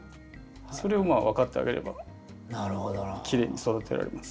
それを分かってあげればきれいに育てられます。